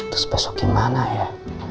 terus besok gimana ya